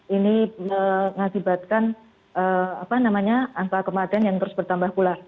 ini mengakibatkan angka kematian yang terus bertambah pula